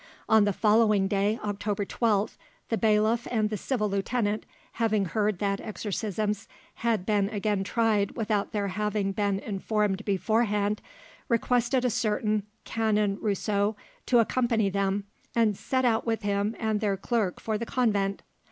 On the following day, October 12th, the bailiff and the civil lieutenant, having heard that exorcisms had been again tried without their having been informed beforehand, requested a certain Canon Rousseau to accompany them, and set out with him and their clerk for the convent.